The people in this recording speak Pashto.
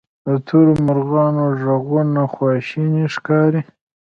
د تورو مرغانو ږغونه خواشیني ښکاري.